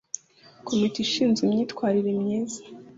Komite ishinzwe imyitwarire myiza